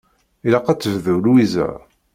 Ilaq ad tebdu Lwiza.